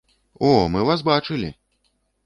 О, мы вас бачылі!